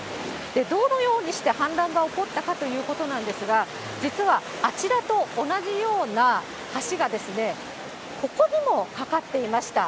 どのようにして氾濫が起こったかということなんですが、実はあちらと同じような橋が、ここにも架かっていました。